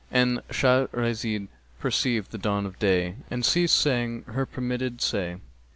'—And Shahrazad perceived the dawn of day and ceased saying her permitted say.